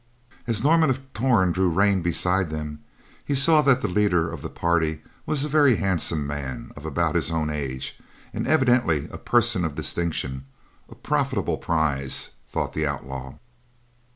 As Norman of Torn drew rein beside them, he saw that the leader of the party was a very handsome man of about his own age, and evidently a person of distinction; a profitable prize, thought the outlaw.